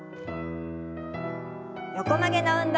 横曲げの運動です。